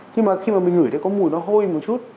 nhưng mà khi mà mình ngửi thấy có mùi nó hôi một chút